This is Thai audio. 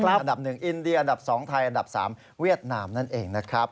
อันดับ๑อินเดียอันดับ๒ไทยอันดับ๓เวียดนามนั่นเองนะครับ